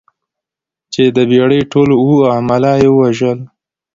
چې د بېړۍ ټول اووه عمله یې ووژل.